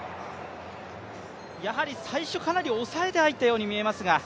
やはり最初かなりおさえて入ったように感じますが。